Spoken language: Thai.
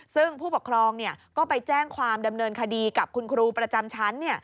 ซึ่งผู้ปกครองก็ไปแจ้งความดำเนินคดีกับคุณครูประจำชั้น